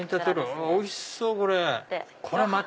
おいしそうこれ。